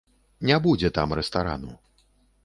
Не будзе там рэстарану.